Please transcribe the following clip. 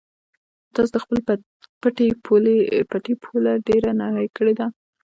تاسو د خپل پټي پوله ډېره نرۍ کړې ده.